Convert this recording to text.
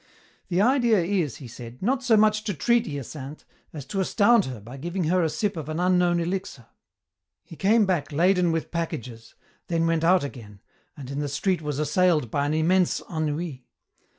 "The idea is," he said, "not so much to treat Hyacinthe as to astound her by giving her a sip of an unknown elixir." He came back laden with packages, then went out again, and in the street was assailed by an immense ennui.